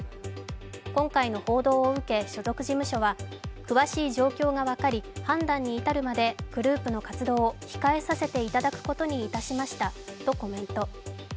今回の報道を受け、所属事務所は、詳しい状況が分かり、判断に至るまでグループの活動を控えさせていただくことにいたしましたとコメント。